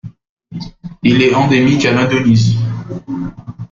Il est endémique à l'Indonésie.